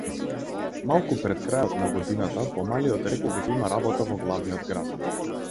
Малку пред крајот на годината помалиот рекол дека има работа во главниот град.